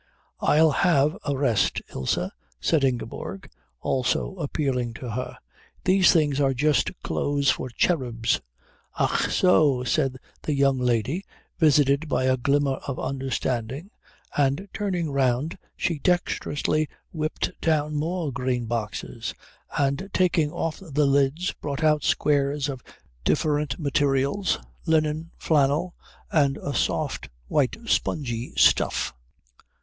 "It'll have a rest, Ilse," said Ingeborg, also appealing to her. "These things are just clothes for cherubs." "Ach so," said the young lady, visited by a glimmer of understanding, and turning round she dexterously whipped down more green boxes, and taking off the lids brought out squares of different materials, linen, flannel, and a soft white spongy stuff.